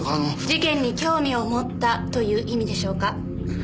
事件に興味を持ったという意味でしょうか？